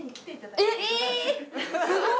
ええすごい！